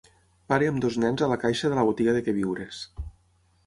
Pare amb dos nens a la caixa de la botiga de queviures.